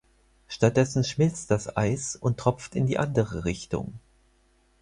Stattdessen schmilzt das Eis und tropft in die andere Richtung.